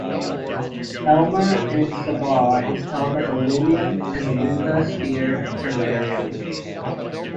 Elmer in Sabah is held at the William and Lynda Steere Herbarium.